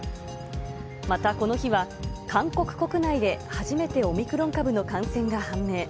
またこの日は、韓国国内で初めてオミクロン株の感染が判明。